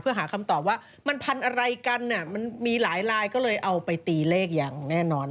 เพื่อหาคำตอบว่ามันพันธุ์อะไรกันมันมีหลายลายก็เลยเอาไปตีเลขอย่างแน่นอน